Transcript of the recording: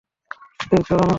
এই চল না।